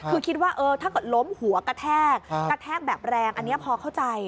คือคิดว่าถ้าเกิดล้มหัวกระแทกกระแทกแบบแรงอันนี้พอเข้าใจ